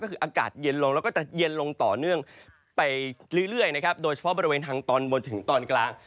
ก็คืออากาศเย็นลงแล้วก็จะเย็นลงต่อเนื่องไปเรื่อยนะครับโดยเฉพาะบริเวณทางตอนบนถึงตอนกลาง